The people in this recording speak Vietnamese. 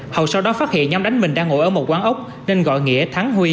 hậu sau đó phát hiện nhóm đánh mình đang ngồi ở một quán ốc nên gọi nghĩa thắng huy